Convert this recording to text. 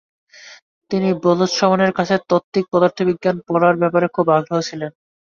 তিনি বোলৎসমানের কাছে তাত্ত্বিক পদার্থবিজ্ঞান পড়ার ব্যাপারে খুব আগ্রহী ছিলেন।